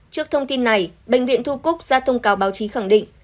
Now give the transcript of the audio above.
trước thông tin này bệnh viện thủ cốc ra thông cáo báo chí khẳng định